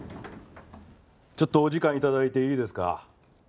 ちょっとお時間頂いていいですか？